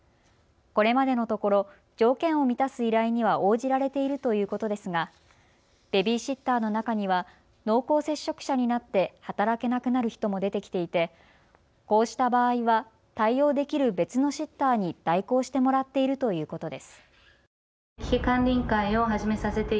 これまでのところ条件を満たす依頼には応じられているということですがベビーシッターの中には濃厚接触者になって働けなくなる人も出てきていてこうした場合は対応できる別のシッターに代行してもらっているということです。